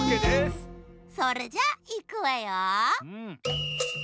それじゃいくわよ。